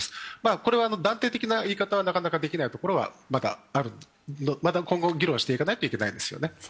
これは断定的な言い方はなかなかできないところはあるのでまた今後、議論していかないといけないですよね。